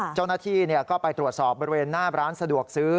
เจ้าหน้าที่ก็ไปตรวจสอบบริเวณหน้าร้านสะดวกซื้อ